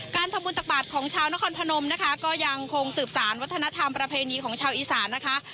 การทำบุญตักบาทของชาวนครพนมนะคะก็ยังคงสืบสารวัฒนธรรมประเพณีของชาวอีสานนะคะ